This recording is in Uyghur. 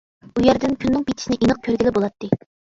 ئۇ يەردىن كۈننىڭ پېتىشىنى ئېنىق كۆرگىلى بولاتتى.